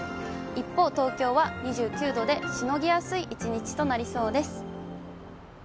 一方、東京は２９度でしのぎやすい一日となりそうです。